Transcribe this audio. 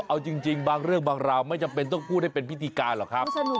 เอาจริงบางเรื่องบางราวไม่จำเป็นต้องพูดให้เป็นพิธีการหรอกครับ